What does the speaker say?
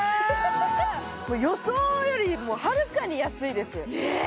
予想よりもはるかに安いですねぇ！